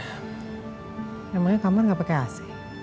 emangnya kamu enggak pakai ac